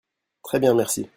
Très bien, merci.